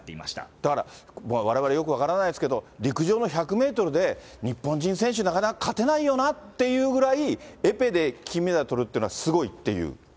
だから、われわれよく分からないですけど、陸上の１００メートルで日本人選手、なかなか勝てないよなっていうぐらい、エペで金メダルとるっていうのは、すごいという。